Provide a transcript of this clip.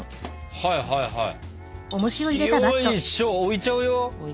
はいはいはい。